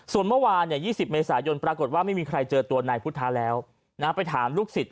ส่วนเมื่อวาน๒๐เมษายนปรากฏว่าไม่มีใครเจอตัวนายพุทธาแล้วไปถามลูกศิษย